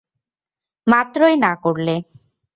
মাত্রই না করলে।